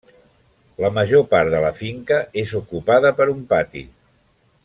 La major part de la finca és ocupada per un pati.